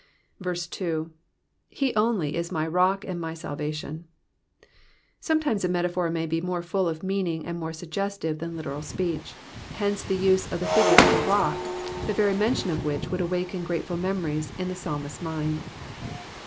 2. i/<? only is my rock and my salvation,''^ Sometimes a metaphor may be more full of meaning and more suggestive than literal speech : hence the use of the figure of a rock, the very mention of which would awaken grateful memories in the psalmist^s mind.